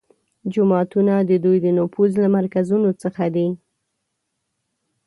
جوماتونه د دوی د نفوذ له مرکزونو څخه دي